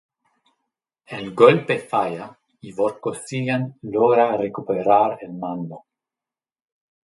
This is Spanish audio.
El golpe falla, y Vorkosigan logra recuperar el mando.